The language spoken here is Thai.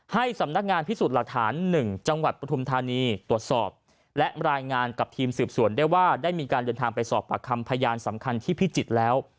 ให้สำนักงานพิสูจน์หลักฐาน๑จังหวัดปฐุมธานีตรวจสอบและรายงานกับทีมสืบสวนได้ว่าได้มีการเดินทางไปสอบปากคำพยานสำคัญที่พิจิตรแล้ว